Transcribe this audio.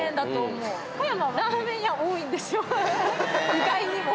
意外にも。